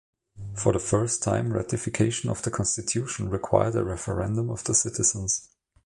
For the first time, ratification of the constitution required a referendum of the citizens.